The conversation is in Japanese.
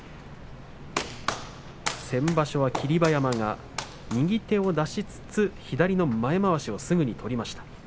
先場所は霧馬山が右手を出しつつ左の前まわしをすぐ取りました。